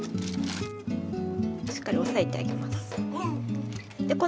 しっかり押さえてあげます。